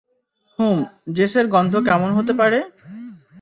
হুম, জেসের গন্ধ কেমন হতে পারে?